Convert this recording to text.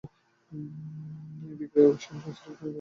এই বিক্রিয়া রসায়ন শাস্ত্রে একটি নতুন যুগের সূচনা করে।